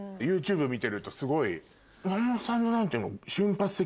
ＹｏｕＴｕｂｅ見てるとすごい。